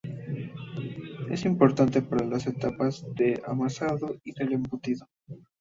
Es importante para las etapas del amasado y del embutido.